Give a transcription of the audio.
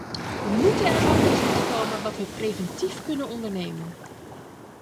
We moeten erachter zien te komen wat we preventief kunnen ondernemen.